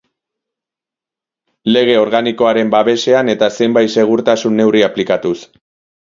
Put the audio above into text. Lege Organikoaren babesean eta zenbait segurtasun neurri aplikatuz.